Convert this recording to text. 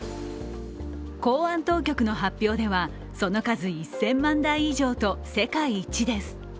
公安当局の発表では、その数１０００万台以上と世界一です。